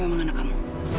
dia memang anak kamu